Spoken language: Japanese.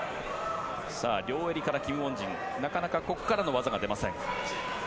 両襟からキム・ウォンジンなかなかここからの技が出ません。